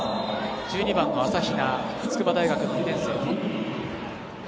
１２番の朝比奈、筑波大学の２年生。